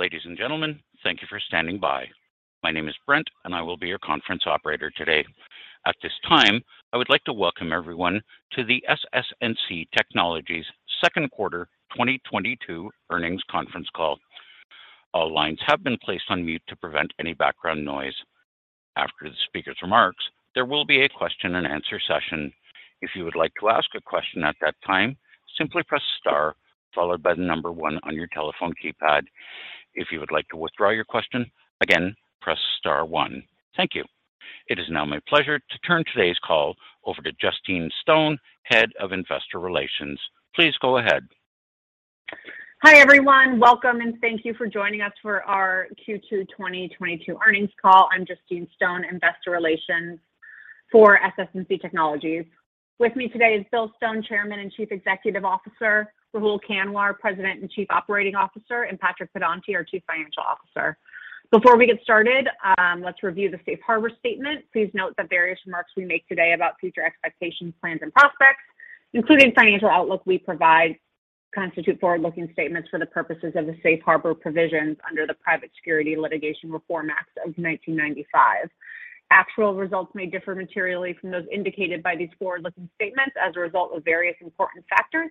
Ladies and gentlemen, thank you for standing by. My name is Brent, and I will be your conference operator today. At this time, I would like to welcome everyone to the SS&C Technologies Q2 2022 Earnings Conference call. All lines have been placed on mute to prevent any background noise. After the speaker's remarks, there will be a question and answer session. If you would like to ask a question at that time, simply press star followed by the number one on your telephone keypad. If you would like to withdraw your question, again, press star one. Thank you. It is now my pleasure to turn today's call over to Justine Stone, Head of Investor Relations. Please go ahead. Hi, everyone. Welcome and thank you for joining us for our Q2 2022 Earnings call. I'm Justine Stone, investor relations for SS&C Technologies. With me today is Bill Stone, Chairman and Chief Executive Officer, Rahul Kanwar, President and Chief Operating Officer, and Patrick Pedonti, our Chief Financial Officer. Before we get started, let's review the safe harbor statement. Please note that various remarks we make today about future expectations, plans and prospects, including financial outlook we provide, constitute forward-looking statements for the purposes of the safe harbor provisions under the Private Securities Litigation Reform Act of 1995. Actual results may differ materially from those indicated by these forward-looking statements as a result of various important factors,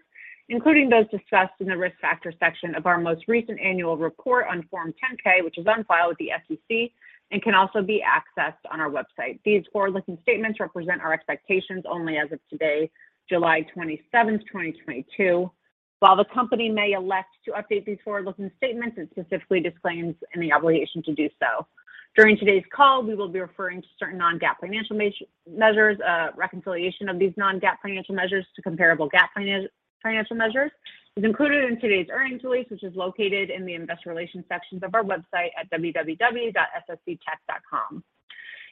including those discussed in the risk factor section of our most recent annual report on Form 10-K, which is on file with the SEC and can also be accessed on our website. These forward-looking statements represent our expectations only as of today, July 27, 2022. While the company may elect to update these forward-looking statements, it specifically disclaims any obligation to do so. During today's call, we will be referring to certain non-GAAP financial measures. A reconciliation of these non-GAAP financial measures to comparable GAAP financial measures is included in today's earnings release, which is located in the investor relations sections of our website at www.ssctech.com.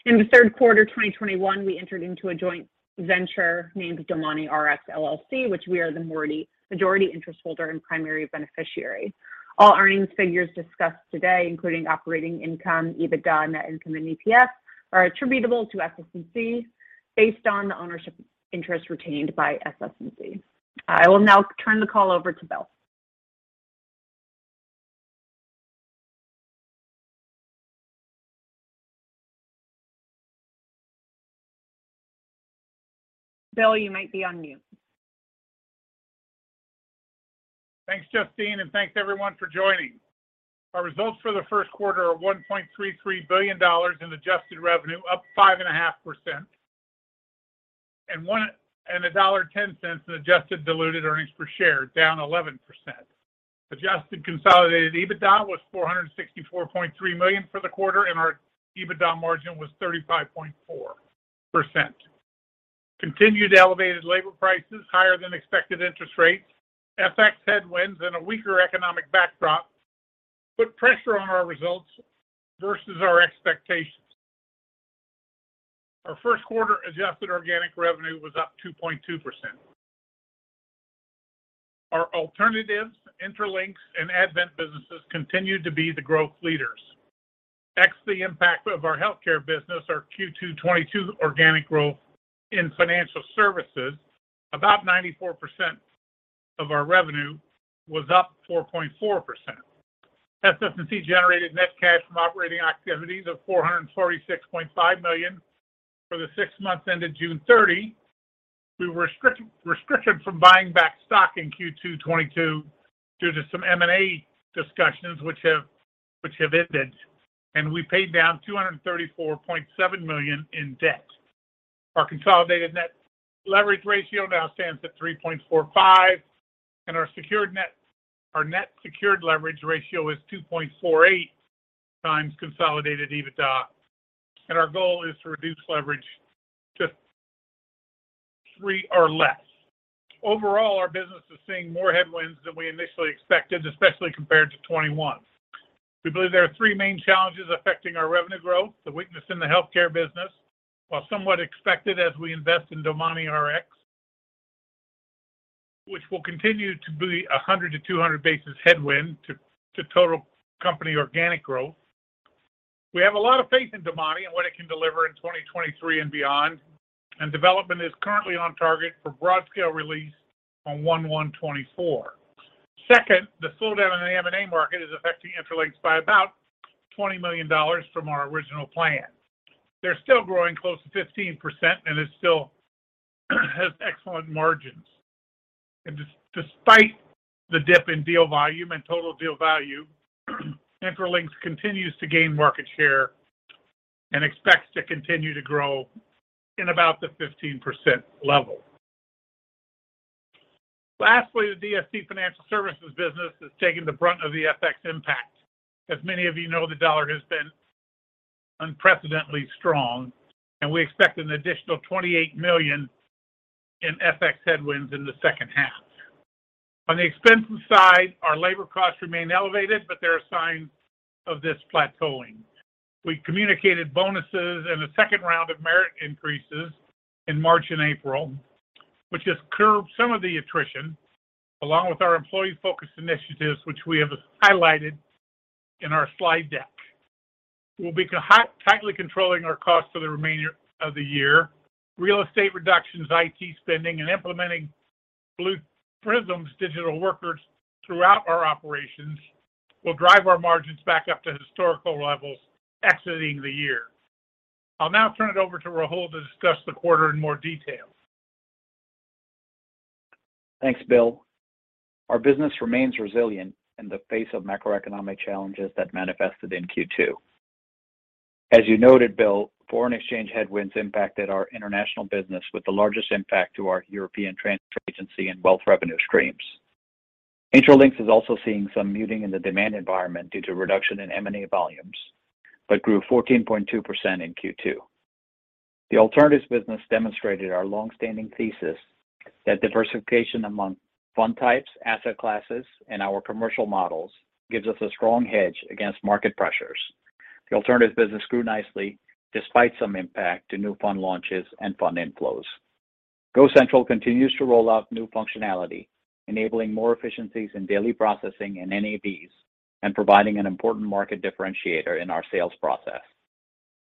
In the Q3 of 2021, we entered into a joint venture named DomaniRx LLC, which we are the majority interest holder and primary beneficiary. All earnings figures discussed today, including operating income, EBITDA, net income and EPS, are attributable to SS&C based on the ownership interest retained by SS&C. I will now turn the call over to Bill. Bill, you might be on mute. Thanks, Justine, and thanks everyone for joining. Our results for the Q1 are $1.33 billion in adjusted revenue, up 5.5%, and $1.10 in adjusted diluted earnings per share, down 11%. Adjusted consolidated EBITDA was $464.3 million for the quarter, and our EBITDA margin was 35.4%. Continued elevated labor prices, higher than expected interest rates, FX headwinds and a weaker economic backdrop put pressure on our results versus our expectations. Our Q1 adjusted organic revenue was up 2.2%. Our alternatives, Intralinks, and Advent businesses continued to be the growth leaders. Ex the impact of our healthcare business, our Q2 2022 organic growth in financial services, about 94% of our revenue was up 4.4%. SS&C generated net cash from operating activities of $446.5 million. For the six months ended June 30, we were restricted from buying back stock in Q2 2022 due to some M&A discussions which have ended, and we paid down $234.7 million in debt. Our consolidated net leverage ratio now stands at 3.45, and our net secured leverage ratio is 2.48 times consolidated EBITDA. Our goal is to reduce leverage to 3 or less. Overall, our business is seeing more headwinds than we initially expected, especially compared to 2021. We believe there are three main challenges affecting our revenue growth. The weakness in the healthcare business, while somewhat expected as we invest in DomaniRx, which will continue to be a 100-200 basis headwind to total company organic growth. We have a lot of faith in Domani and what it can deliver in 2023 and beyond, and development is currently on target for broad-scale release on 1/1/2024. Second, the slowdown in the M&A market is affecting Intralinks by about $20 million from our original plan. They're still growing close to 15% and it still has excellent margins. Despite the dip in deal volume and total deal value, Intralinks continues to gain market share and expects to continue to grow in about the 15% level. Lastly, the DST Financial Services business is taking the brunt of the FX impact. As many of you know, the dollar has been unprecedentedly strong, and we expect an additional $28 million in FX headwinds in the second half. On the expenses side, our labor costs remain elevated, but there are signs of this plateauing. We communicated bonuses and a second round of merit increases in March and April, which has curbed some of the attrition, along with our employee-focused initiatives, which we have highlighted in our slide deck. We'll be tightly controlling our costs for the remainder of the year. Real estate reductions, IT spending, and implementing Blue Prism's digital workers throughout our operations will drive our margins back up to historical levels exiting the year. I'll now turn it over to Rahul to discuss the quarter in more detail. Thanks, Bill. Our business remains resilient in the face of macroeconomic challenges that manifested in Q2. As you noted, Bill, foreign exchange headwinds impacted our international business with the largest impact to our European transfer agency and wealth revenue streams. Intralinks is also seeing some muting in the demand environment due to reduction in M&A volumes, but grew 14.2% in Q2. The alternatives business demonstrated our long-standing thesis that diversification among fund types, asset classes, and our commercial models gives us a strong hedge against market pressures. The alternatives business grew nicely despite some impact to new fund launches and fund inflows. GoCentral continues to roll out new functionality, enabling more efficiencies in daily processing and NAVs and providing an important market differentiator in our sales process.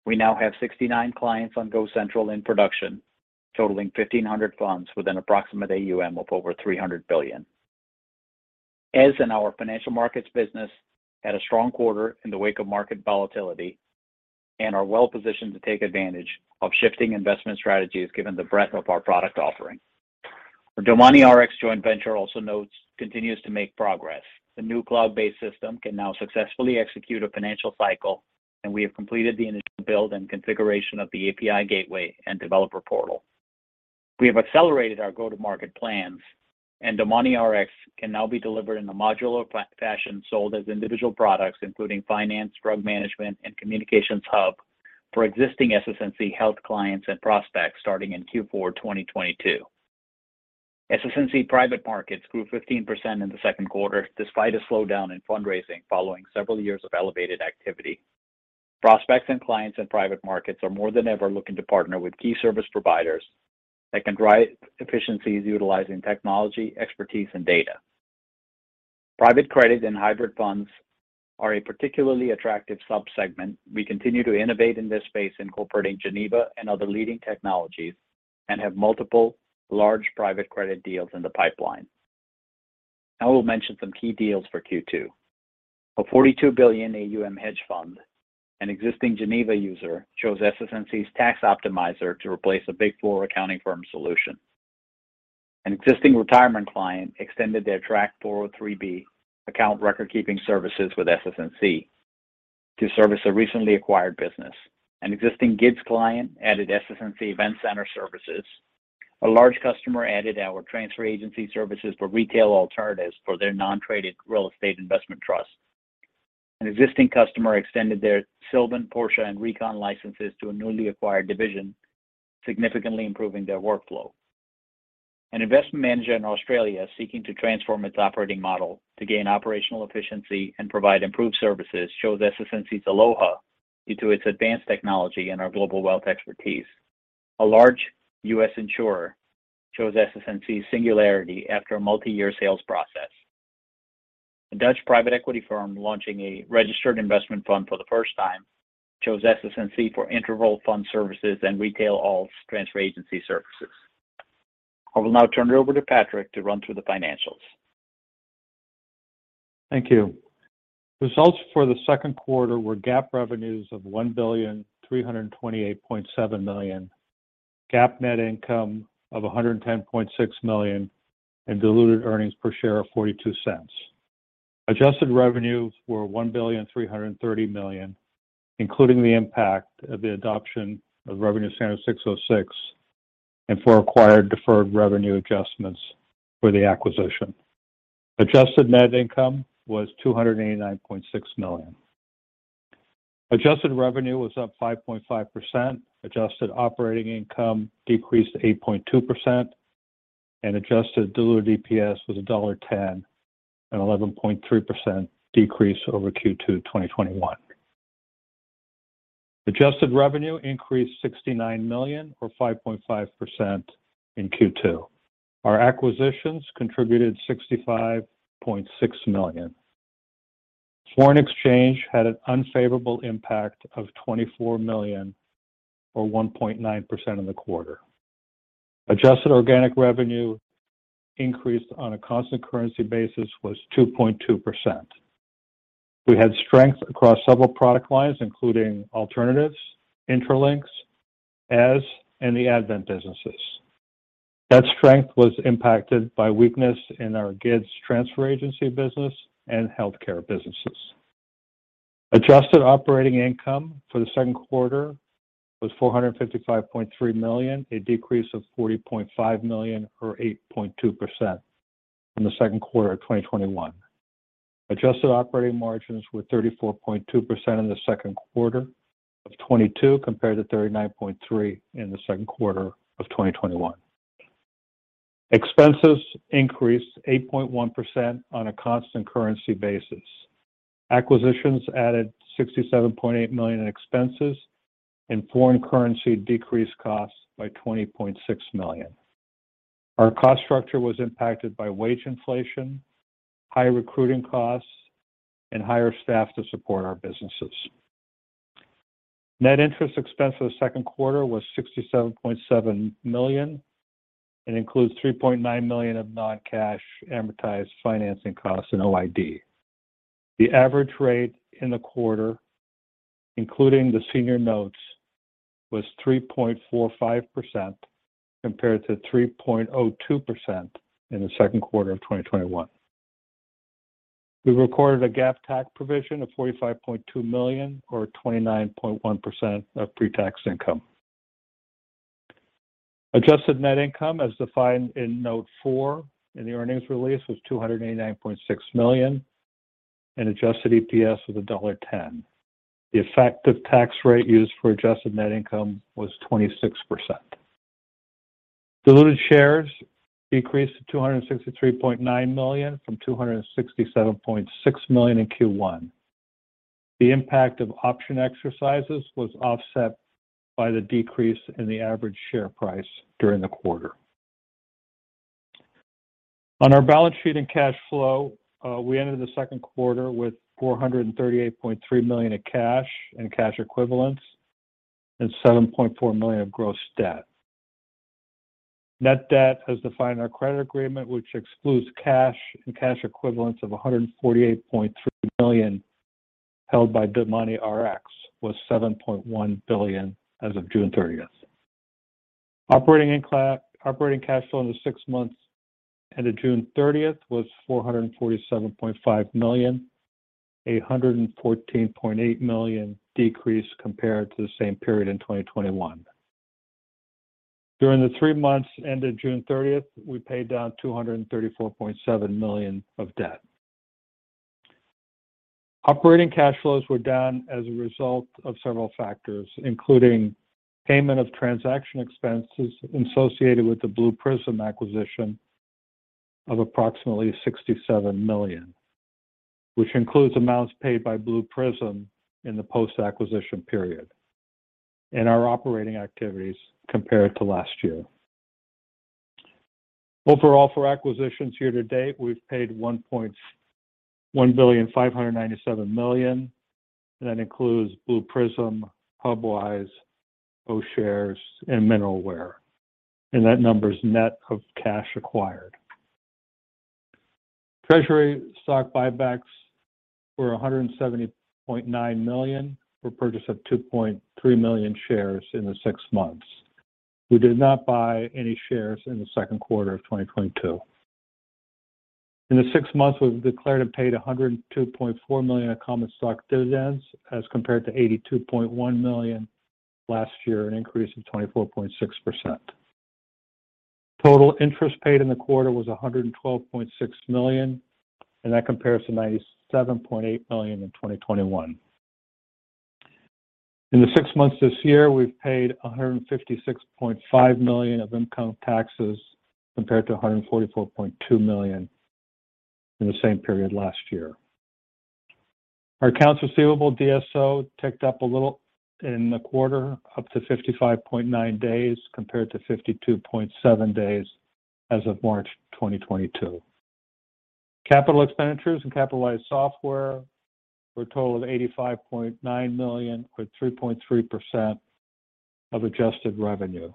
We now have 69 clients on GoCentral in production, totaling 1,500 funds with an approximate AUM of over $300 billion. Our financial markets business had a strong quarter in the wake of market volatility and are well-positioned to take advantage of shifting investment strategies given the breadth of our product offering. Our DomaniRx joint venture also now continues to make progress. The new cloud-based system can now successfully execute a financial cycle, and we have completed the initial build and configuration of the API gateway and developer portal. We have accelerated our go-to-market plans, and DomaniRx can now be delivered in a modular fashion, sold as individual products, including finance, drug management, and communications hub for existing SS&C health clients and prospects starting in Q4 2022. SS&C Private Markets grew 15% in the Q2 despite a slowdown in fundraising following several years of elevated activity. Prospects and clients in private markets are more than ever looking to partner with key service providers that can drive efficiencies utilizing technology, expertise, and data. Private credit and hybrid funds are a particularly attractive sub-segment. We continue to innovate in this space, incorporating Geneva and other leading technologies, and have multiple large private credit deals in the pipeline. I will mention some key deals for Q2. A $42 billion AUM hedge fund, an existing Geneva user, chose SS&C's Tax Optimizer to replace a Big Four accounting firm solution. An existing retirement client extended their TRAC 403 account record-keeping services with SS&C to service a recently acquired business. An existing GIDS client added SS&C event center services. A large customer added our transfer agency services for retail alternatives for their non-traded real estate investment trust. An existing customer extended their Sylvan, PORTIA, and Recon licenses to a newly acquired division, significantly improving their workflow. An investment manager in Australia seeking to transform its operating model to gain operational efficiency and provide improved services chose SS&C's Aloha due to its advanced technology and our global wealth expertise. A large U.S. insurer chose SS&C's Singularity after a multi-year sales process. A Dutch private equity firm launching a registered investment fund for the first time chose SS&C for interval fund services and retail alt transfer agency services. I will now turn it over to Patrick to run through the financials. Thank you. Results for the Q2 were GAAP revenues of $1,328.7 million, GAAP net income of $110.6 million, and diluted earnings per share of $0.42. Adjusted revenues were $1,330 million, including the impact of the adoption of ASC 606 and for acquired deferred revenue adjustments for the acquisition. Adjusted net income was $289.6 million. Adjusted revenue was up 5.5%. Adjusted operating income decreased 8.2%. Adjusted diluted EPS was $1.10, an 11.3% decrease over Q2 2021. Adjusted revenue increased $69 million or 5.5% in Q2. Our acquisitions contributed $65.6 million. Foreign exchange had an unfavorable impact of $24 million or 1.9% in the quarter. Adjusted organic revenue increased on a constant currency basis was 2.2%. We had strength across several product lines, including alternatives, Intralinks, Eze, and the Advent businesses. That strength was impacted by weakness in our GIDS transfer agency business and healthcare businesses. Adjusted operating income for the Q2 was $455.3 million, a decrease of $40.5 million or 8.2% from the Q2 of 2021. Adjusted operating margins were 34.2% in the Q2 of 2022 compared to 39.3% in the Q2 of 2021. Expenses increased 8.1% on a constant currency basis. Acquisitions added $67.8 million in expenses, and foreign currency decreased costs by $20.6 million. Our cost structure was impacted by wage inflation, high recruiting costs, and higher staff to support our businesses. Net interest expense for the Q2 was $67.7 million, and includes $3.9 million of non-cash amortized financing costs and OID. The average rate in the quarter, including the senior notes, was 3.45% compared to 3.02% in the Q2 of 2021. We recorded a GAAP tax provision of $45.2 million or 29.1% of pre-tax income. Adjusted net income as defined in Note four in the earnings release was $289.6 million and adjusted EPS of $1.10. The effective tax rate used for adjusted net income was 26%. Diluted shares decreased to 263.9 million from 267.6 million in Q1. The impact of option exercises was offset by the decrease in the average share price during the quarter. On our balance sheet and cash flow, we ended the Q2 with $438.3 million in cash and cash equivalents and $7.4 million of gross debt. Net debt as defined in our credit agreement, which excludes cash and cash equivalents of $148.3 million held by DomaniRx, was $7.1 billion as of June 30. Operating cash flow in the six months ended June 30 was $447.5 million, a $114.8 million decrease compared to the same period in 2021. During the three months ended June 30, we paid down $234.7 million of debt. Operating cash flows were down as a result of several factors, including payment of transaction expenses associated with the Blue Prism acquisition of approximately $67 million, which includes amounts paid by Blue Prism in the post-acquisition period and our operating activities compared to last year. Overall, for acquisitions year to date, we've paid $1.597 billion. That includes Blue Prism, Hubwise, O'Shares, and MineralWare. That number is net of cash acquired. Treasury stock buybacks were $170.9 million for purchase of 2.3 million shares in the six months. We did not buy any shares in the Q2 of 2022. In the six months, we've declared and paid $102.4 million in common stock dividends as compared to $82.1 million last year, an increase of 24.6%. Total interest paid in the quarter was $112.6 million, and that compares to $97.8 million in 2021. In the six months this year, we've paid $156.5 million of income taxes, compared to $144.2 million in the same period last year. Our accounts receivable DSO ticked up a little in the quarter, up to 55.9 days, compared to 52.7 days as of March 2022. Capital expenditures and capitalized software were a total of $85.9 million, or 3.3% of adjusted revenue.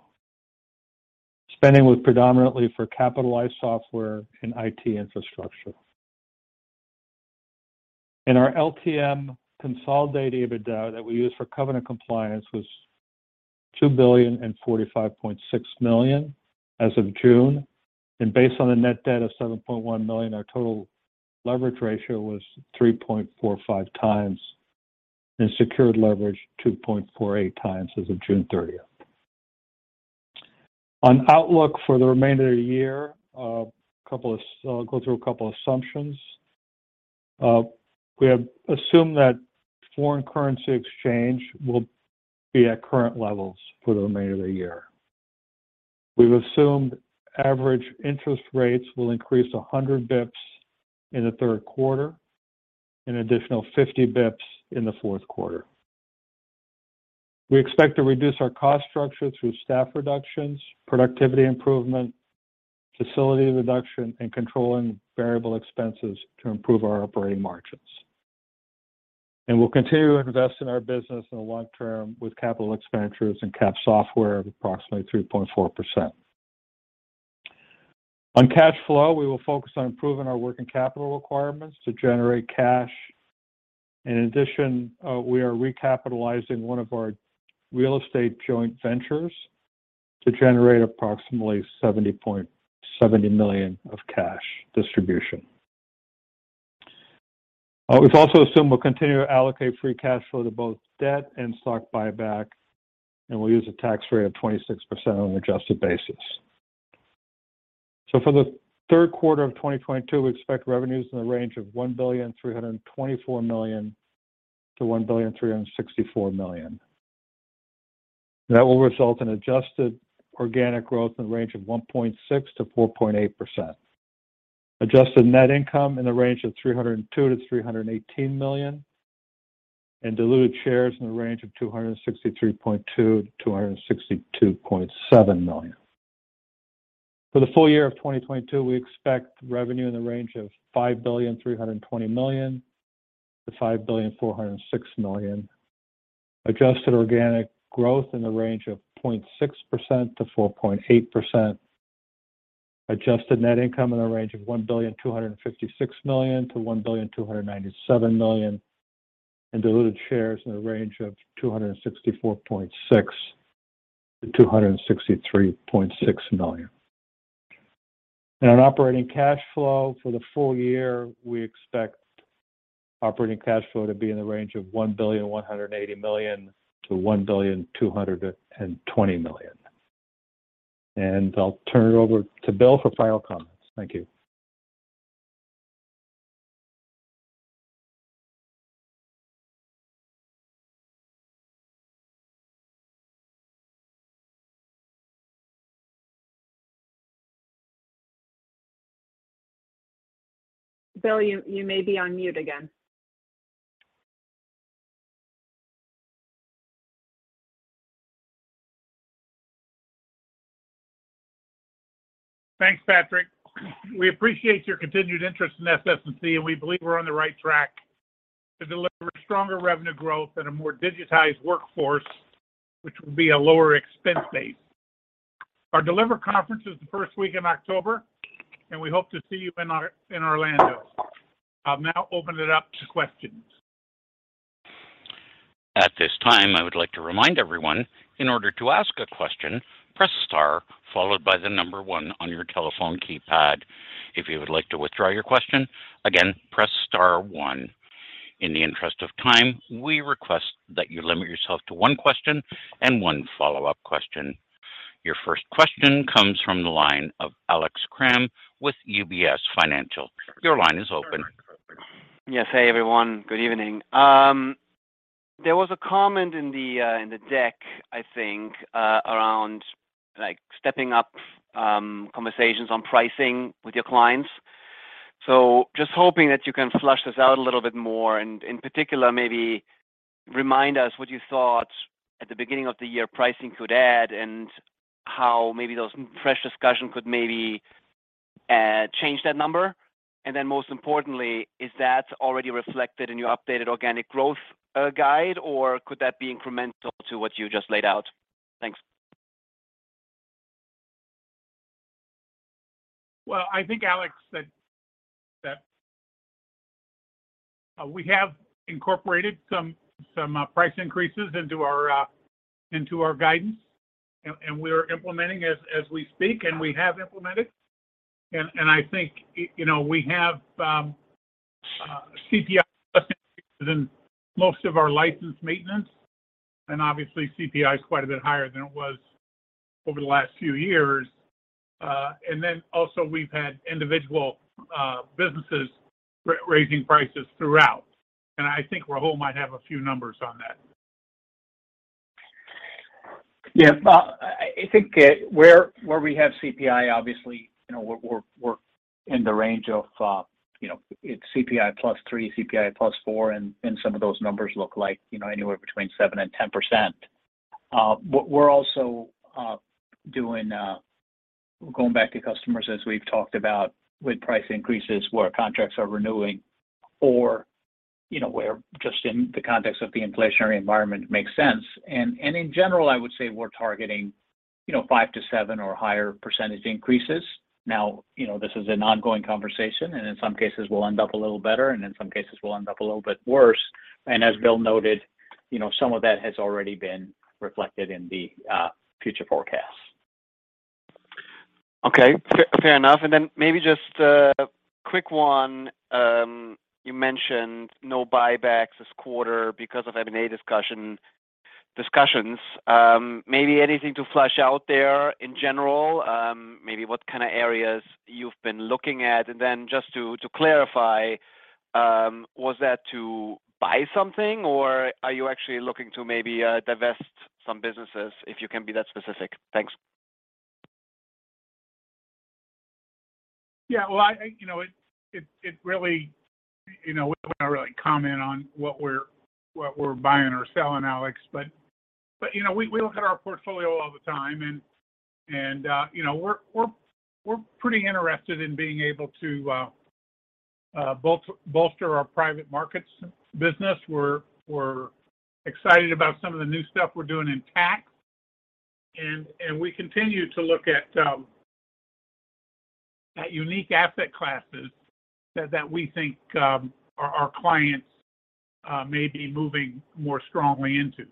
Spending was predominantly for capitalized software and IT infrastructure. Our LTM consolidated EBITDA that we use for covenant compliance was $2,045.6 million as of June. Based on the net debt of $7.1 million, our total leverage ratio was 3.45 times, and secured leverage 2.48 times as of June 30. Our outlook for the remainder of the year, I'll go through a couple assumptions. We have assumed that foreign currency exchange will be at current levels for the remainder of the year. We've assumed average interest rates will increase 100 basis points in the Q3 and additional 50 basis points in the Q4. We expect to reduce our cost structure through staff reductions, productivity improvement, facility reduction, and controlling variable expenses to improve our operating margins. We'll continue to invest in our business in the long term with capital expenditures and capitalized software of approximately 3.4%. On cash flow, we will focus on improving our working capital requirements to generate cash. In addition, we are recapitalizing one of our real estate joint ventures to generate approximately $70 million of cash distribution. We've also assumed we'll continue to allocate free cash flow to both debt and stock buyback, and we'll use a tax rate of 26% on an adjusted basis. For the Q3 of 2022, we expect revenues in the range of $1.324 billion-$1.364 billion. That will result in adjusted organic growth in the range of 1.6%-4.8%. Adjusted net income in the range of $302 million-$318 million. Diluted shares in the range of 263.2 million to 262.7 million. For the full year of 2022, we expect revenue in the range of $5.32 billion-$5.406 billion. Adjusted organic growth in the range of 0.6% to 4.8%. Adjusted net income in the range of $1.256 billion-$1.297 billion. Diluted shares in the range of 264.6 million to 263.6 million. Our operating cash flow for the full year, we expect operating cash flow to be in the range of $1.18 billion-$1.22 billion. I'll turn it over to Bill for final comments. Thank you. Bill, you may be on mute again. Thanks, Patrick. We appreciate your continued interest in SS&C, and we believe we're on the right track to deliver stronger revenue growth and a more digitized workforce, which will be a lower expense base. Our Deliver Conference is the first week in October, and we hope to see you in Orlando. I'll now open it up to questions. At this time, I would like to remind everyone, in order to ask a question, press star followed by the number one on your telephone keypad. If you would like to withdraw your question, again, press star one. In the interest of time, we request that you limit yourself to one question and one follow-up question. Your first question comes from the line of Alex Kramm with UBS Financial. Your line is open. Yes. Hey, everyone. Good evening. There was a comment in the deck, I think, around, like, stepping up conversations on pricing with your clients. Just hoping that you can flesh this out a little bit more. In particular, maybe remind us what you thought at the beginning of the year pricing could add and how maybe those fresh discussions could maybe change that number. Then most importantly, is that already reflected in your updated organic growth guide, or could that be incremental to what you just laid out? Thanks. Well, I think, Alex, that we have incorporated some price increases into our guidance and we're implementing as we speak, and we have implemented. I think you know we have CPI increases in most of our license maintenance, and obviously CPI is quite a bit higher than it was over the last few years. Also we've had individual businesses raising prices throughout. I think Rahul might have a few numbers on that. Yeah. I think where we have CPI, obviously, you know, we're in the range of, you know, it's CPI plus 3, CPI plus 4, and some of those numbers look like, you know, anywhere between 7%-10%. But we're also going back to customers, as we've talked about with price increases, where contracts are renewing or, you know, where just in the context of the inflationary environment makes sense. In general, I would say we're targeting, you know, 5%-7% or higher percentage increases. Now, you know, this is an ongoing conversation, and in some cases we'll end up a little better, and in some cases we'll end up a little bit worse. As Bill noted, you know, some of that has already been reflected in the future forecasts. Okay. Fair enough. Maybe just a quick one. You mentioned no buybacks this quarter because of M&A discussions. Maybe anything to flesh out there in general? Maybe what kind of areas you've been looking at? Just to clarify, was that to buy something or are you actually looking to maybe divest some businesses, if you can be that specific? Thanks. Yeah. Well, you know, it really, you know, we don't wanna really comment on what we're buying or selling, Alex. You know, we look at our portfolio all the time and, you know, we're pretty interested in being able to bolster our private markets business. We're excited about some of the new stuff we're doing in tax, and we continue to look at unique asset classes that we think our clients may be moving more strongly into.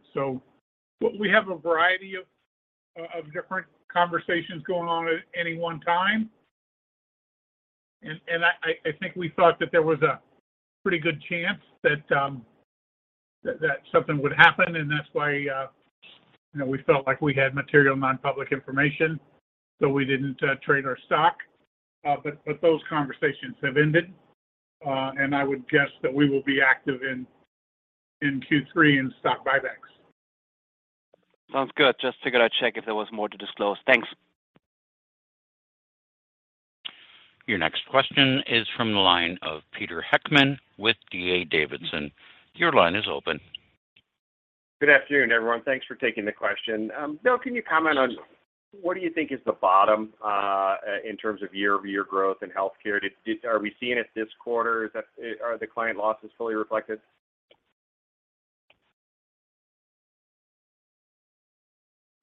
We have a variety of different conversations going on at any one time. I think we thought that there was a pretty good chance that something would happen. That's why, you know, we felt like we had material non-public information, so we didn't trade our stock. Those conversations have ended, and I would guess that we will be active in Q3 in stock buybacks. Sounds good. Just figured I'd check if there was more to disclose. Thanks. Your next question is from the line of Peter Heckmann with D.A. Davidson. Your line is open. Good afternoon, everyone. Thanks for taking the question. Bill, can you comment on what do you think is the bottom in terms of year-over-year growth in healthcare? Are we seeing it this quarter? Is that, are the client losses fully reflected?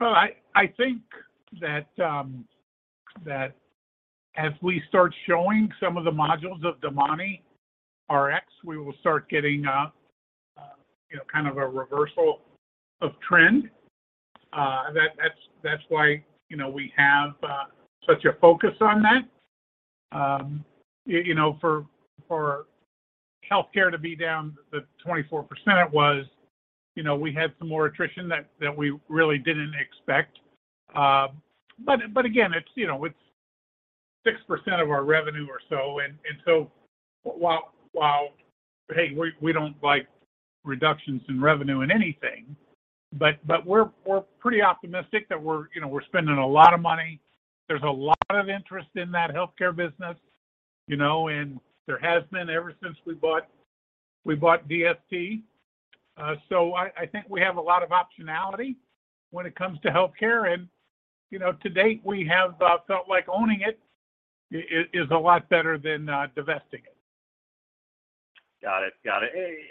Well, I think that as we start showing some of the modules of DomaniRx, we will start getting, you know, kind of a reversal of trend. That's why, you know, we have such a focus on that. You know, for healthcare to be down the 24% it was, you know, we had some more attrition that we really didn't expect. Again, it's, you know, 6% of our revenue or so. While, hey, we don't like reductions in revenue in anything, but we're pretty optimistic that we're, you know, spending a lot of money. There's a lot of interest in that healthcare business, you know, and there has been ever since we bought DST. I think we have a lot of optionality when it comes to healthcare and, you know, to date, we have felt like owning it is a lot better than divesting it. Got it.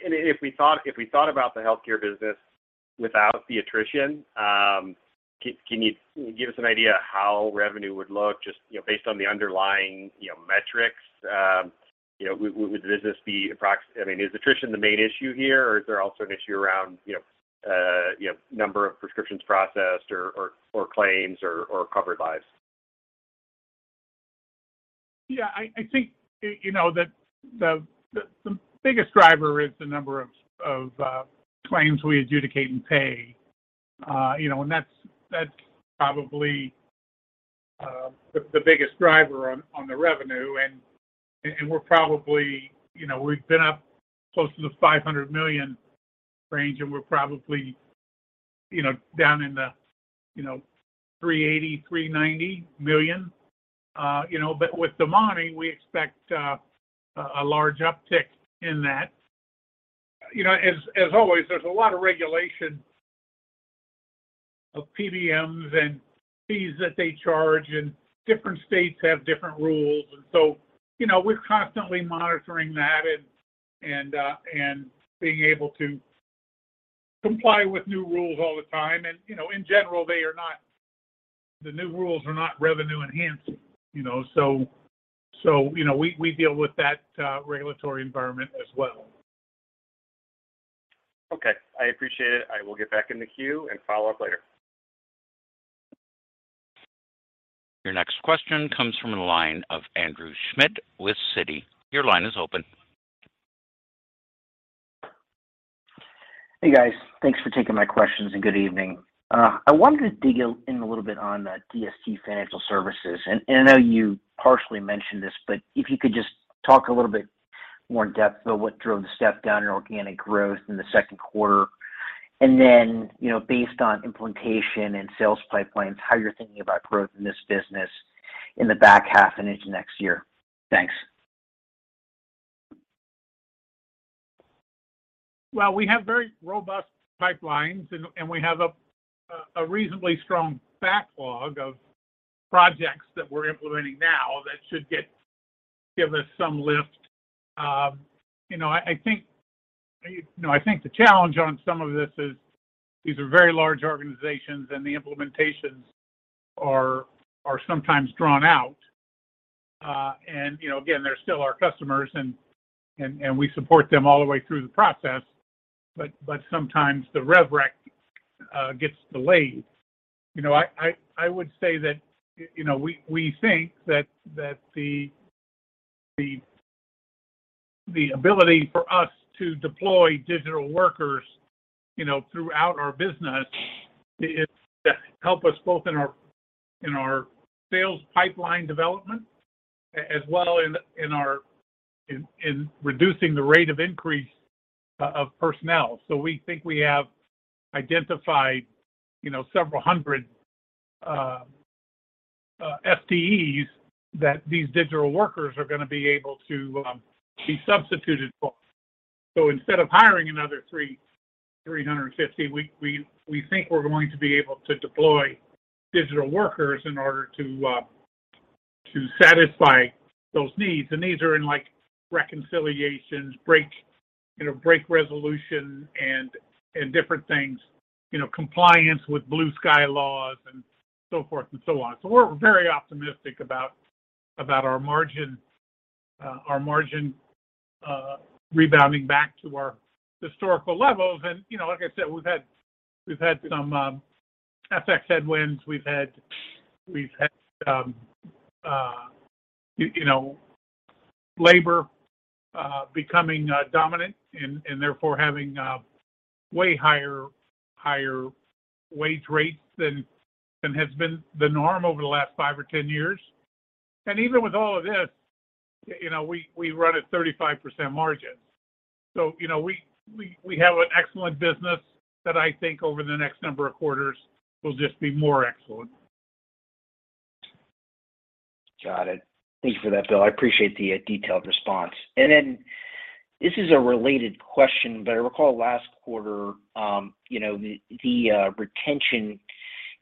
If we thought about the healthcare business without the attrition, can you give us an idea how revenue would look just, you know, based on the underlying, you know, metrics? You know, would the business be, I mean, is attrition the main issue here, or is there also an issue around, you know, you know, number of prescriptions processed or claims or covered lives? Yeah, I think you know that the biggest driver is the number of claims we adjudicate and pay. You know, and that's probably the biggest driver on the revenue. We're probably you know we've been up close to the 500 million range, and we're probably you know down in the you know 380-390 million. You know, but with Domani, we expect a large uptick in that. You know, as always, there's a lot of regulation of PBMs and fees that they charge, and different states have different rules. You know, we're constantly monitoring that and being able to comply with new rules all the time. You know, in general, the new rules are not revenue-enhancing, you know. You know, we deal with that regulatory environment as well. Okay. I appreciate it. I will get back in the queue and follow up later. Your next question comes from the line of Andrew Schmidt with Citi. Your line is open. Hey, guys. Thanks for taking my questions and good evening. I wanted to dig in a little bit on DST Financial Services. I know you partially mentioned this, but if you could just talk a little bit more in depth about what drove the step down in organic growth in the Q2. Then, you know, based on implementation and sales pipelines, how you're thinking about growth in this business in the back half and into next year. Thanks. Well, we have very robust pipelines and we have a reasonably strong backlog of projects that we're implementing now that should give us some lift. You know, I think the challenge on some of this is these are very large organizations, and the implementations are sometimes drawn out. You know, again, they're still our customers and we support them all the way through the process, but sometimes the rev rec gets delayed. You know, I would say that, you know, we think that the ability for us to deploy digital workers, you know, throughout our business is to help us both in our sales pipeline development as well in reducing the rate of increase of personnel. We think we have identified, you know, several hundred FTEs that these digital workers are gonna be able to be substituted for. Instead of hiring another 350, we think we're going to be able to deploy digital workers in order to satisfy those needs. These are in, like, reconciliations, break resolution and different things, you know, compliance with blue sky laws and so forth and so on. We're very optimistic about our margin rebounding back to our historical levels. You know, like I said, we've had some FX headwinds. We've had you know, labor becoming dominant and therefore having way higher wage rates than has been the norm over the last five or 10 years. Even with all of this, you know, we run a 35% margin. You know, we have an excellent business that I think over the next number of quarters will just be more excellent. Got it. Thank you for that, Bill. I appreciate the detailed response. Then this is a related question, but I recall last quarter, the retention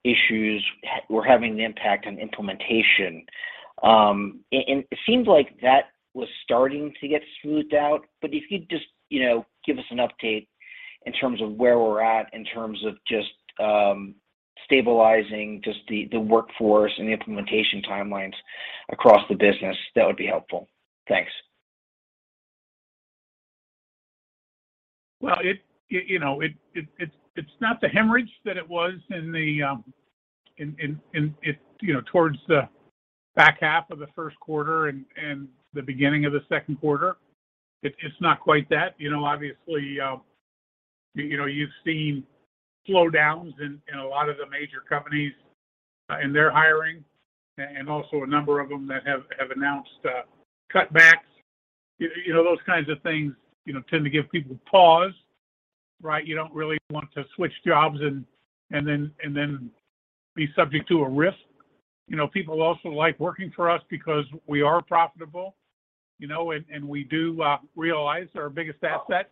issues were having an impact on implementation. It seems like that was starting to get smoothed out, but if you'd just give us an update in terms of where we're at in terms of just stabilizing the workforce and the implementation timelines across the business, that would be helpful. Thanks. Well, you know, it's not the hemorrhage that it was towards the back half of the Q1 and the beginning of the Q2. It's not quite that. You know, obviously, you know, you've seen slowdowns in a lot of the major companies in their hiring and also a number of them that have announced cutbacks. You know, those kinds of things, you know, tend to give people pause, right? You don't really want to switch jobs and then be subject to a risk. You know, people also like working for us because we are profitable, you know, and we do realize our biggest asset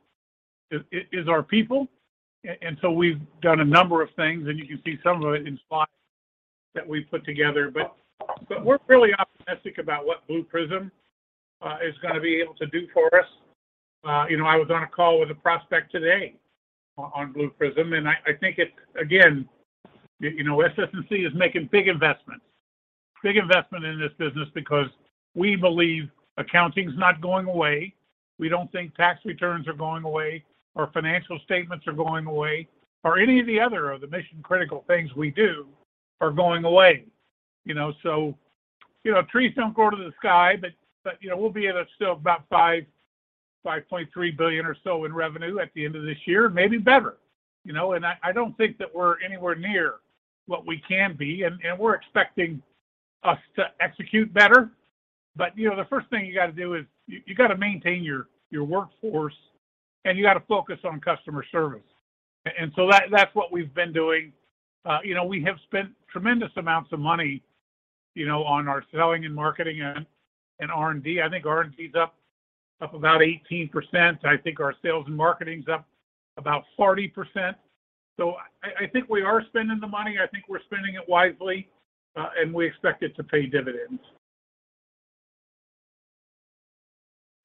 is our people. We've done a number of things, and you can see some of it in slides that we put together. But we're really optimistic about what Blue Prism is gonna be able to do for us. You know, I was on a call with a prospect today on Blue Prism, and I think it. Again, you know, SS&C is making big investments in this business because we believe accounting's not going away. We don't think tax returns are going away, or financial statements are going away, or any of the other mission-critical things we do are going away. You know, trees don't grow to the sky, but you know, we'll still be about $5.3 billion or so in revenue at the end of this year, maybe better, you know. I don't think that we're anywhere near what we can be, and we're expecting us to execute better. You know, the first thing you gotta do is you gotta maintain your workforce, and you gotta focus on customer service. That's what we've been doing. You know, we have spent tremendous amounts of money, you know, on our sales and marketing and R&D. I think R&D's up about 18%. I think our sales and marketing's up about 40%. I think we are spending the money. I think we're spending it wisely, and we expect it to pay dividends.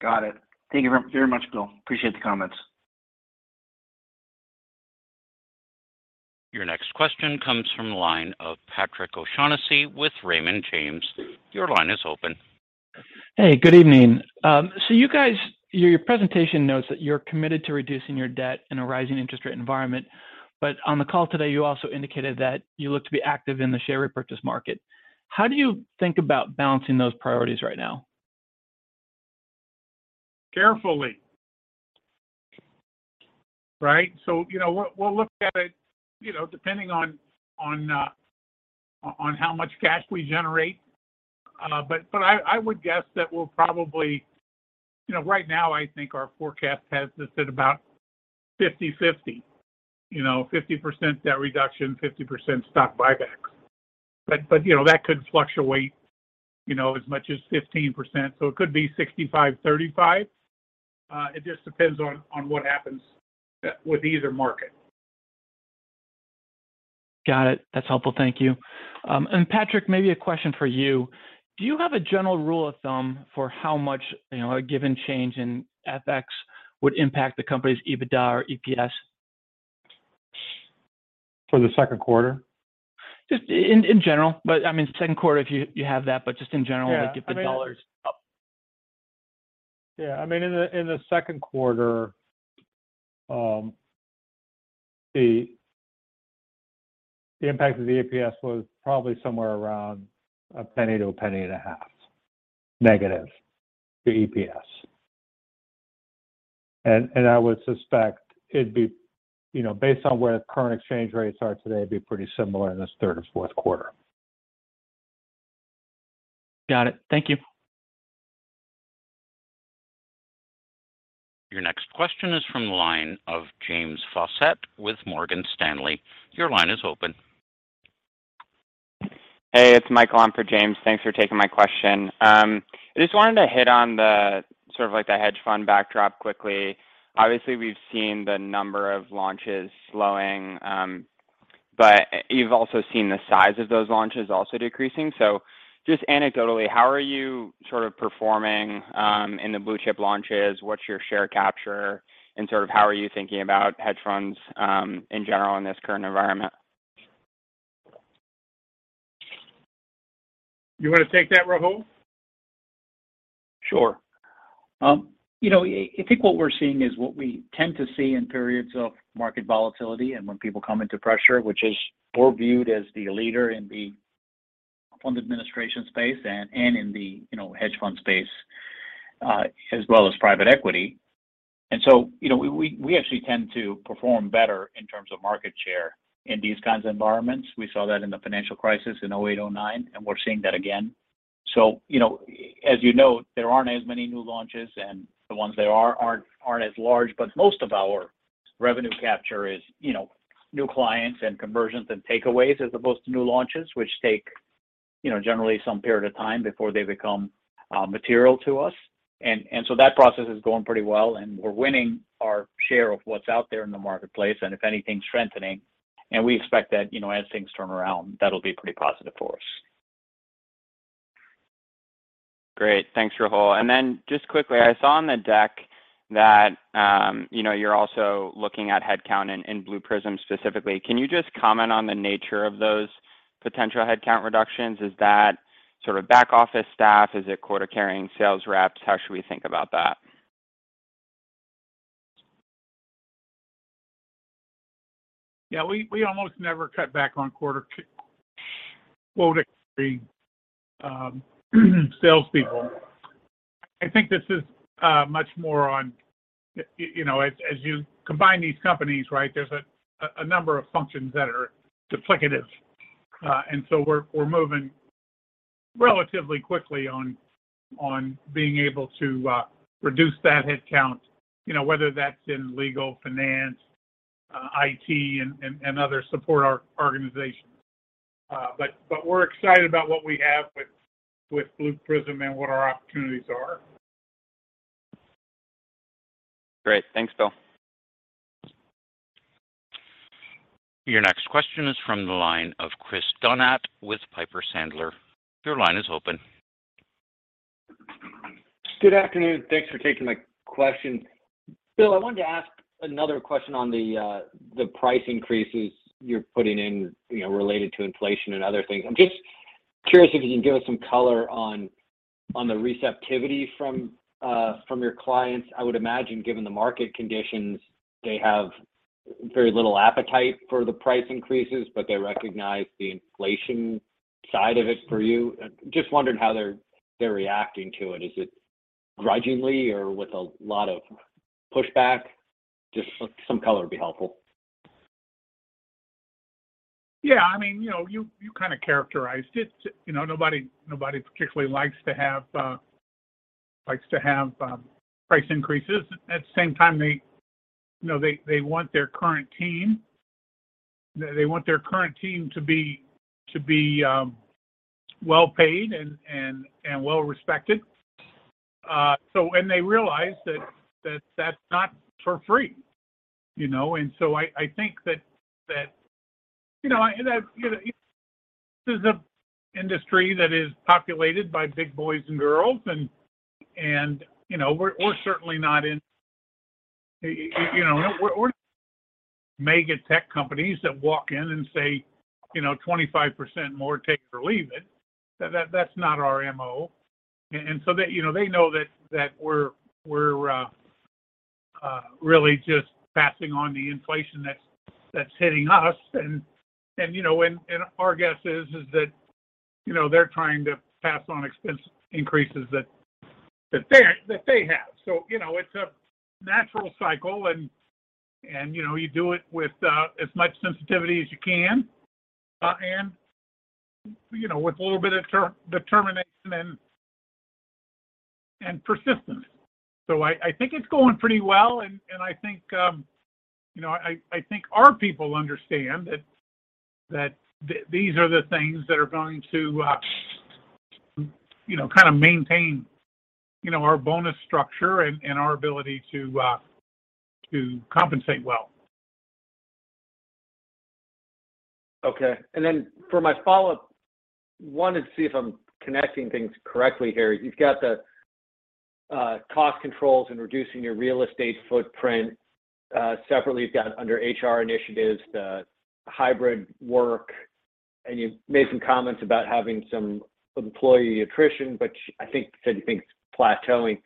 Got it. Thank you very much, Bill. Appreciate the comments. Your next question comes from the line of Patrick O'Shaughnessy with Raymond James. Your line is open. Hey, good evening. You guys, your presentation notes that you're committed to reducing your debt in a rising interest rate environment. On the call today, you also indicated that you look to be active in the share repurchase market. How do you think about balancing those priorities right now? Carefully, right? We'll look at it, you know, depending on how much cash we generate. I would guess that we'll probably, you know, right now I think our forecast has us at about 50/50. You know, 50% debt reduction, 50% stock buybacks. That could fluctuate, you know, as much as 15%, so it could be 65/35. It just depends on what happens with either market. Got it. That's helpful. Thank you. Patrick, maybe a question for you. Do you have a general rule of thumb for how much, you know, a given change in FX would impact the company's EBITDA or EPS? For the Q2? Just in general, but I mean, Q2 if you have that, but just in general- Yeah, I mean. Like if the dollar is up. Yeah. I mean, in the Q2, the impact to the EPS was probably somewhere around $0.01 to $0.015 negative to EPS. I would suspect it'd be, you know, based on where the current exchange rates are today, it'd be pretty similar in this third or Q4. Got it. Thank you. Your next question is from the line of James Faucette with Morgan Stanley. Your line is open. Hey, it's Mike on for James. Thanks for taking my question. I just wanted to hit on the sort of like the hedge fund backdrop quickly. Obviously, we've seen the number of launches slowing, but you've also seen the size of those launches also decreasing. Just anecdotally, how are you sort of performing in the blue-chip launches? What's your share capture, and sort of how are you thinking about hedge funds in general in this current environment? You wanna take that, Rahul? Sure. You know, I think what we're seeing is what we tend to see in periods of market volatility and when people come into pressure, which is we're viewed as the leader in the fund administration space and in the, you know, hedge fund space, as well as private equity. You know, we actually tend to perform better in terms of market share in these kinds of environments. We saw that in the financial crisis in 2008, 2009, and we're seeing that again. You know, as you note, there aren't as many new launches, and the ones that are aren't as large. Most of our revenue capture is, you know, new clients and conversions and takeaways as opposed to new launches, which take, you know, generally some period of time before they become material to us. That process is going pretty well, and we're winning our share of what's out there in the marketplace, and if anything, strengthening. We expect that, you know, as things turn around, that'll be pretty positive for us. Great. Thanks, Rahul. Just quickly, I saw on the deck that, you know, you're also looking at headcount in Blue Prism specifically. Can you just comment on the nature of those potential headcount reductions? Is that sort of back office staff? Is it quota-carrying sales reps? How should we think about that? Yeah, we almost never cut back on quota-carrying salespeople. I think this is much more on, you know, as you combine these companies, right? There's a number of functions that are duplicative. We're moving relatively quickly on being able to reduce that headcount, you know, whether that's in legal, finance, IT and other support organization. We're excited about what we have with Blue Prism and what our opportunities are. Great. Thanks, Bill. Your next question is from the line of Christopher Donat with Piper Sandler. Your line is open. Good afternoon. Thanks for taking my question. Bill, I wanted to ask another question on the price increases you're putting in, you know, related to inflation and other things. I'm just curious if you can give us some color on the receptivity from your clients. I would imagine, given the market conditions, they have very little appetite for the price increases, but they recognize the inflation side of it for you. Just wondering how they're reacting to it. Is it grudgingly or with a lot of pushback? Just some color would be helpful. Yeah. I mean, you know, you kind of characterized it. You know, nobody particularly likes to have price increases. At the same time, they want their current team to be well-paid and well-respected. They realize that that's not for free, you know. I think that this is an industry that is populated by big boys and girls, you know. We're certainly not mega tech companies that walk in and say, you know, "25% more, take it or leave it." That's not our MO. They, you know, they know that we're really just passing on the inflation that's hitting us. You know, our guess is that, you know, they're trying to pass on expense increases that they have. You know, it's a natural cycle and, you know, you do it with as much sensitivity as you can, and, you know, with a little bit of determination and persistence. I think it's going pretty well, and I think, you know, I think our people understand that these are the things that are going to, you know, kind of maintain, you know, our bonus structure and our ability to compensate well. Okay. For my follow-up, wanted to see if I'm connecting things correctly here. You've got the cost controls and reducing your real estate footprint. Separately, you've got under HR initiatives, the hybrid work, and you've made some comments about having some employee attrition, which I think said you think it's plateauing.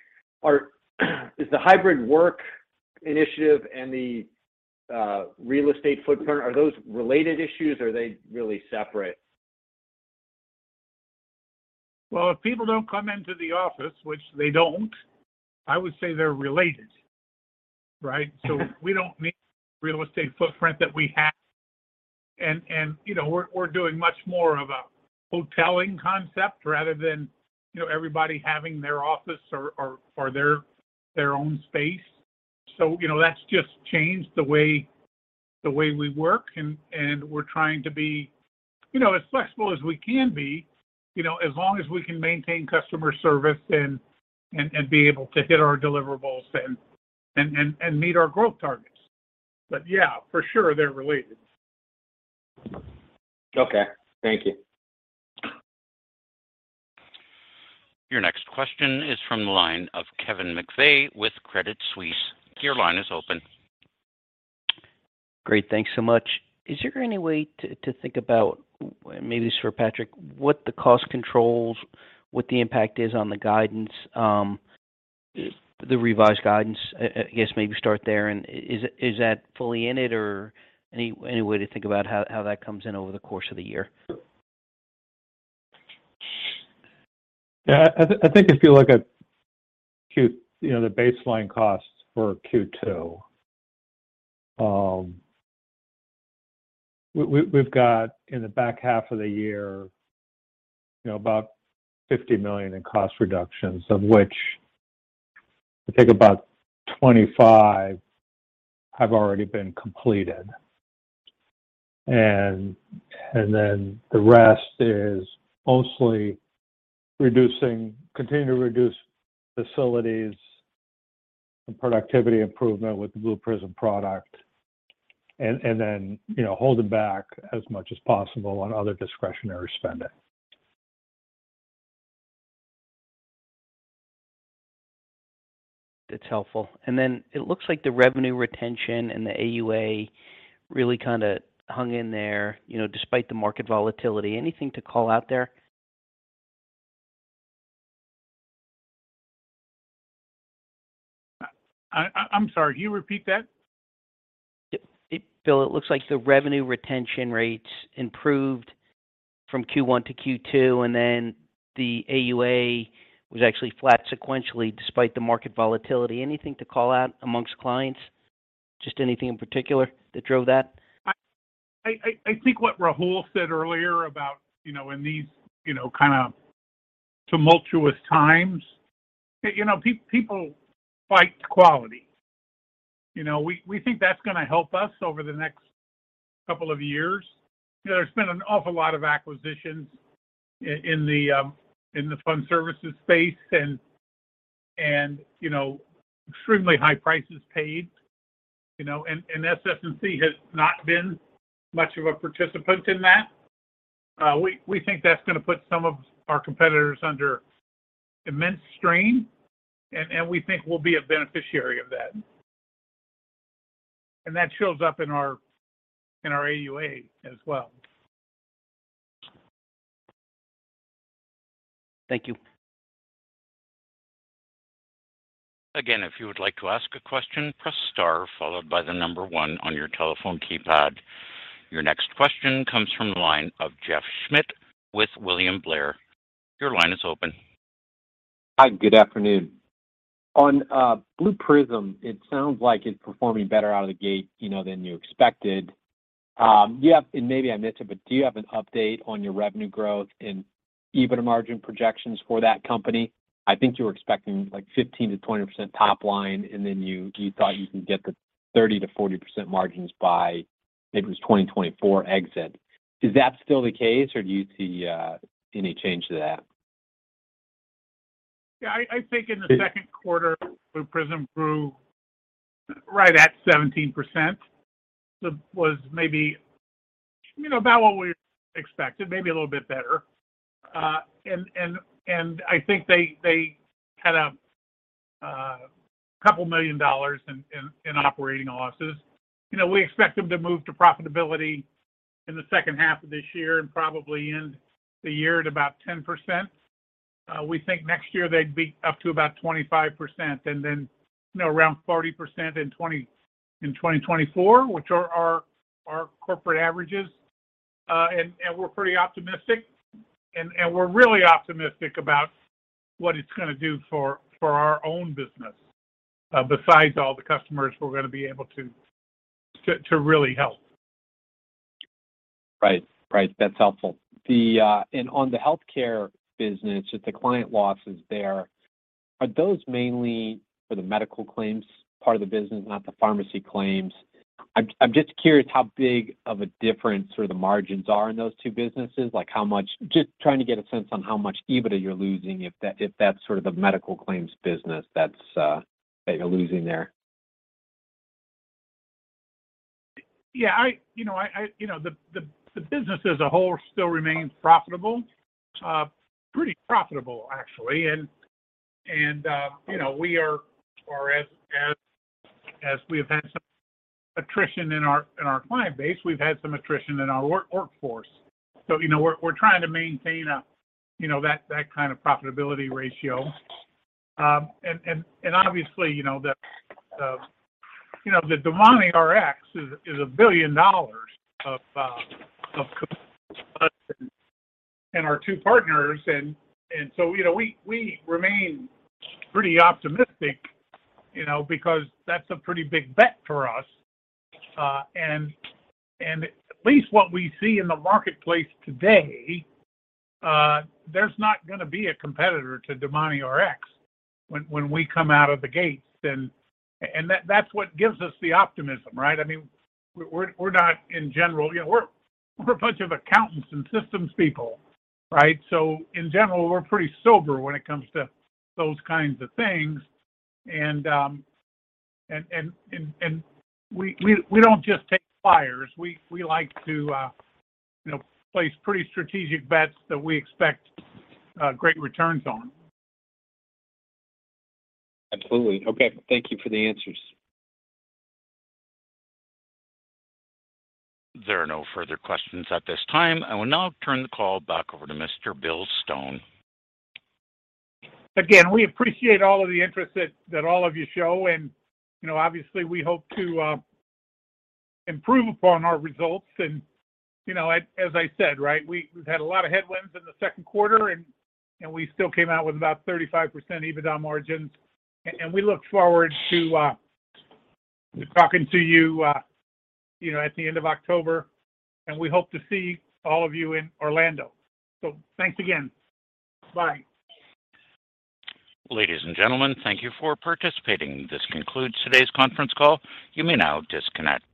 Is the hybrid work initiative and the real estate footprint, are those related issues, or are they really separate? Well, if people don't come into the office, which they don't, I would say they're related, right? We don't need real estate footprint that we have. You know, we're doing much more of a hoteling concept rather than, you know, everybody having their office or their own space. You know, that's just changed the way we work and we're trying to be, you know, as flexible as we can be, you know, as long as we can maintain customer service and be able to hit our deliverables and meet our growth targets. Yeah, for sure they're related. Okay. Thank you. Your next question is from the line of Kevin McVeigh with Credit Suisse. Your line is open. Great. Thanks so much. Is there any way to think about, maybe this is for Patrick, what the cost controls, the impact is on the guidance, the revised guidance? I guess maybe start there, is that fully in it or any way to think about how that comes in over the course of the year? Yeah. I think if you look at Q2, you know, the baseline costs for Q2. We've got in the back half of the year, you know, about $50 million in cost reductions, of which I think about $25 million have already been completed. The rest is mostly continuing to reduce facilities and productivity improvement with the Blue Prism product and, you know, holding back as much as possible on other discretionary spending. That's helpful. It looks like the revenue retention and the AUA really kinda hung in there, you know, despite the market volatility. Anything to call out there? I'm sorry, can you repeat that? Bill, it looks like the revenue retention rates improved from Q1 to Q2, and then the AUA was actually flat sequentially despite the market volatility. Anything to call out among clients? Just anything in particular that drove that? I think what Rahul said earlier about, you know, in these, you know, kinda tumultuous times, you know, people flight to quality. You know, we think that's gonna help us over the next couple of years. You know, there's been an awful lot of acquisitions in the fund services space and, you know, extremely high prices paid, you know. SS&C has not been much of a participant in that. We think that's gonna put some of our competitors under immense strain, and we think we'll be a beneficiary of that. That shows up in our AUA as well. Thank you. Again, if you would like to ask a question, press star followed by the number one on your telephone keypad. Your next question comes from the line of Jeff Schmitt with William Blair. Your line is open. Hi, good afternoon. On Blue Prism, it sounds like it's performing better out of the gate, you know, than you expected. Maybe I missed it, but do you have an update on your revenue growth and EBITDA margin projections for that company? I think you were expecting, like, 15%-20% top line, and then you thought you can get the 30%-40% margins by, I think it was 2024 exit. Is that still the case, or do you see any change to that? Yeah. I think in the Q2, Blue Prism grew right at 17%. It was maybe, you know, about what we expected, maybe a little bit better. I think they had $2 million in operating losses. You know, we expect them to move to profitability in the second half of this year and probably end the year at about 10%. We think next year they'd be up to about 25% and then, you know, around 40% in 2024, which are our corporate averages. We're pretty optimistic and we're really optimistic about what it's gonna do for our own business, besides all the customers we're gonna be able to really help. Right. That's helpful. On the healthcare business, with the client losses there, are those mainly for the medical claims part of the business, not the pharmacy claims? I'm just curious how big of a difference sort of the margins are in those two businesses. Like, how much. Just trying to get a sense on how much EBITDA you're losing, if that's sort of the medical claims business that's that you're losing there. You know, the business as a whole still remains profitable. Pretty profitable actually. You know, we have had some attrition in our client base, we've had some attrition in our workforce. You know, we're trying to maintain a, you know, that kind of profitability ratio. Obviously, you know, the DomaniRx is $1 billion of us and our two partners. You know, we remain pretty optimistic, you know, because that's a pretty big bet for us. At least what we see in the marketplace today, there's not gonna be a competitor to DomaniRx when we come out of the gates. That's what gives us the optimism, right? I mean, we're not in general. You know, we're a bunch of accountants and systems people, right? In general, we're pretty sober when it comes to those kinds of things. We don't just take flyers. We like to, you know, place pretty strategic bets that we expect great returns on. Absolutely. Okay. Thank you for the answers. There are no further questions at this time. I will now turn the call back over to Mr. Bill Stone. Again, we appreciate all of the interest that all of you show. You know, obviously, we hope to improve upon our results. You know, as I said, right, we've had a lot of headwinds in the Q2 and we still came out with about 35% EBITDA margins. We look forward to talking to you know, at the end of October. We hope to see all of you in Orlando. Thanks again. Bye. Ladies and gentlemen, thank you for participating. This concludes today's conference call. You may now disconnect.